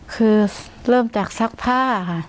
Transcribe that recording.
คือเริ่มจากซักผ้าค่ะ